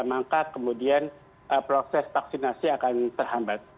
maka kemudian proses vaksinasi akan terhambat